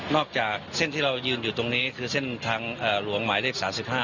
อกจากเส้นที่เรายืนอยู่ตรงนี้คือเส้นทางหลวงหมายเลข๓๕